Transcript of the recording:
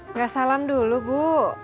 nggak salam dulu bu